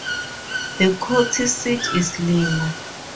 The county seat is Lima.